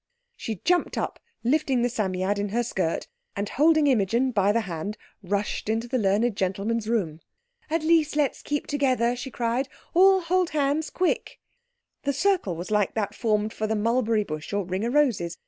She jumped up lifting the Psammead in her skirt, and holding Imogen by the hand, rushed into the learned gentleman's room. "At least let's keep together," she cried. "All hold hands—quick!" The circle was like that formed for the Mulberry Bush or Ring o' Roses.